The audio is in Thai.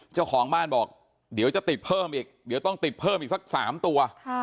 เจ้าของบ้านบอกเดี๋ยวจะติดเพิ่มอีกเดี๋ยวต้องติดเพิ่มอีกสัก๓ตัว